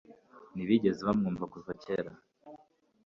Ntibigeze bamwumva kuva kera